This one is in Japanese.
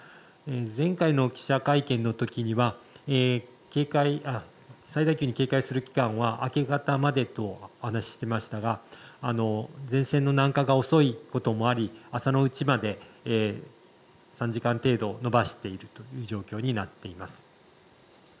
前回の記者会見のときには最大級に警戒する期間は明け方までとお話しましたが前線の南下が遅いこともあり朝のうちまで３時間程度、延ばしているという状況になっています。